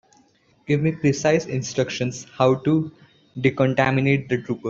Give me precise instructions how to decontaminate the trooper.